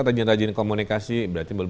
rajin rajin komunikasi berarti